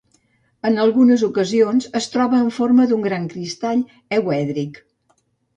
En algunes ocasions es troba en forma d'un gran cristall euèdric.